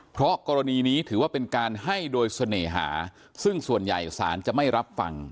เพราะกรณีนี้ถือว่าเป็นการให้โดยเสน่หาซึ่งส่วนใหญ่ศาลจะไม่รับฟัง